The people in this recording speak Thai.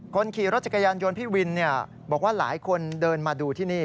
คนขี่รถจักรยานยนต์พี่วินบอกว่าหลายคนเดินมาดูที่นี่